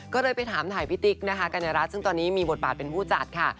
ก็เลยไปถามถ่ายพี่ติ๊กนะคะกัญญารัฐซึ่งตอนนี้มีบทบาทเป็นผู้จัดค่ะ